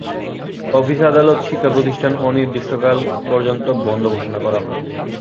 অফিস-আদালত, শিক্ষা-প্রতিষ্ঠান অনির্দিষ্টকাল পর্যন্ত বন্ধ ঘোষণা করা হয়।